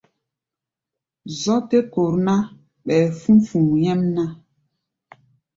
Zɔ̧́ tɛ́ kor ná, ɓɛɛ fú̧ fu̧u̧ nyɛ́mná.